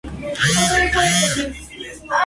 Proyecto impulsado y anhelado por varias generaciones.